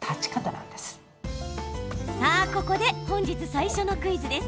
さあ、ここで本日最初のクイズです。